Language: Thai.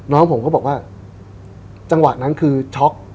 น้องผมก็บอกว่าจังหวะนั้นคือช็อก